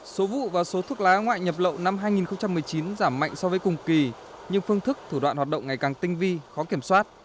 số vụ và số thuốc lá ngoại nhập lậu năm hai nghìn một mươi chín giảm mạnh so với cùng kỳ nhưng phương thức thủ đoạn hoạt động ngày càng tinh vi khó kiểm soát